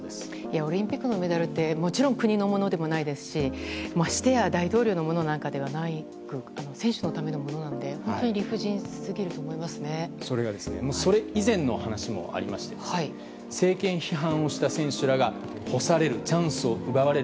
オリンピックのメダルってもちろん国のものでもないですしましてや大統領のものではなく選手のためのものなので、本当にそれ以前の話もありまして政権批判をした選手らが干されるチャンスを奪われる。